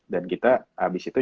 dan kita abis itu